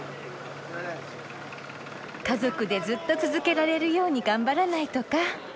「家族でずっと続けられるように頑張らないと」か。